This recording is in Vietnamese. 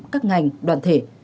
các ngành đoàn thể